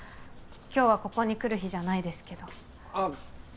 今日はここに来る日じゃないですけどあっ